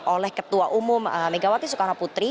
oleh ketua umum megawati soekarno putri